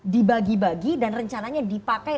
dibagi bagi dan rencananya dipakai